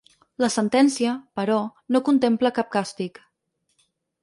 La sentencia, però, no contempla cap càstig.